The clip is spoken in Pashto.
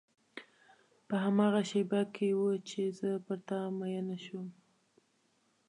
په هماغه شېبه کې و چې زه پر تا مینه شوم.